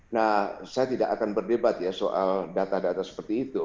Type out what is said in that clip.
nah saya tidak akan berdebat ya soal data data seperti itu